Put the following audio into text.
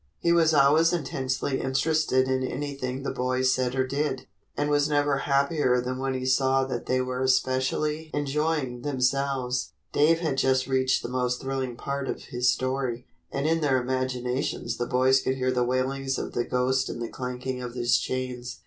He was always intensely interested in anything the boys said or did, and was never happier than when he saw that they were especially enjoying themselves. Dave had just reached the most thrilling part of his story, and in their imaginations the boys could hear the wailings of the ghost and the clanking of his chains.